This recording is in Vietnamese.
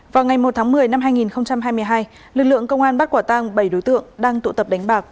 vào ngày một tháng một mươi năm hai nghìn hai mươi hai lực lượng công an bắt quả tăng bảy đối tượng đang tụ tập đánh bạc